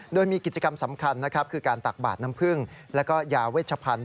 โดยมีกิจกรรมสำคัญนะครับคือการตักบาดน้ำพึ่งแล้วก็ยาเวชพันธุ